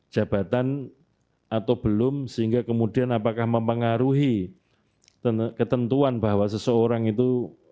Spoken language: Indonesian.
jabatan atau belum sehingga kemudian apakah mempengaruhi ketentuan bahwa seseorang itu